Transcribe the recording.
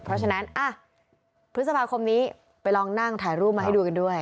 เพราะฉะนั้นพฤษภาคมนี้ไปลองนั่งถ่ายรูปมาให้ดูกันด้วย